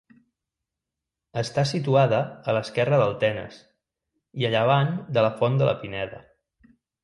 Està situada a l'esquerra del Tenes, i a llevant de la Font de la Pineda.